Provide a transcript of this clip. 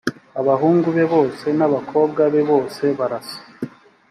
abahungu be bose n’abakobwa be bose barasa